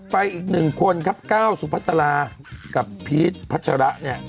ไปอีกหนึ่งควรครับก้าวสุปัสรากับพีชพัชระ